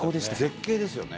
絶景ですよね。